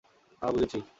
আহ, বুঝেছি।